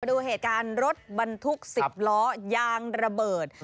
ดูเหตุการณ์รถบรรทุก๑๐ล้อยางระเบิด